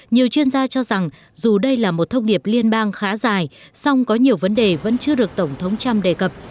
nhiều chuyên gia cho rằng dù đây là một thông điệp liên bang khá dài song có nhiều vấn đề vẫn chưa được tổng thống trump đề cập